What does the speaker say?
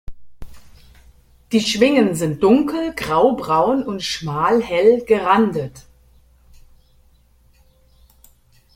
Die Schwingen sind dunkel graubraun und schmal hell gerandet.